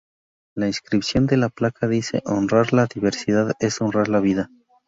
La inscripción de la placa dice: "Honrar la diversidad es honrar la vida.